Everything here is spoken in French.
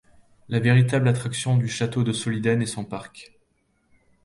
La véritable attraction du château de Solliden est son parc.